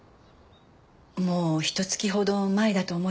もうひと月ほど前だと思いますが。